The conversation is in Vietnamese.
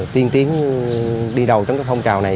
tiên tiến đi đầu trong cái thông trào này